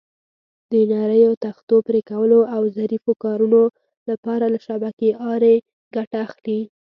د نریو تختو پرېکولو او ظریفو کارونو لپاره له شبکې آرې ګټه اخلي.